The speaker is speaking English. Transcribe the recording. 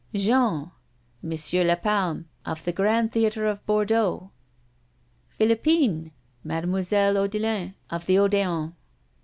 Jean M. Lapalme, of the Grand Theater of Bordeaux. Philippine Mademoiselle Odelin, of the Odéon.